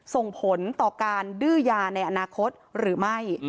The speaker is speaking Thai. ส่งผลต่อการดื้อยาในอนาคตหรือไม่